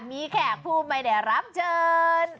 มีแค่ผู้ไม่ได้รับเชิญ